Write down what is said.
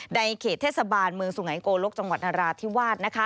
ในเขตเทศบาลเมืองสุไงโกลกจังหวัดนราธิวาส